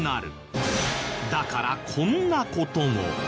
だからこんな事も。